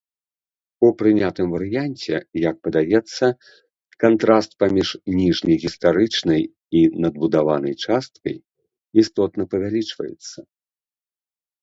У прынятым варыянце, як падаецца, кантраст паміж ніжняй гістарычнай і надбудаванай часткай істотна павялічваецца.